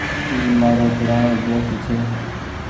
اي مآرو پورآڻو دوست ڇي ۔